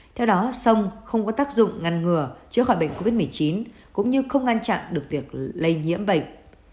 theo đó sông không có tác dụng ngăn ngừa chữa khỏi bệnh covid một mươi chín cũng như không ngăn chặn được việc lây nhiễm bệnh